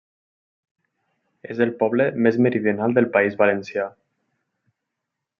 És el poble més meridional del País Valencià.